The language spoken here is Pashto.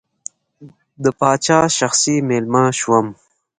د پاچا شخصي مېلمه شوم.